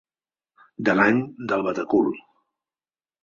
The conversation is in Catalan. De l'any del batecul.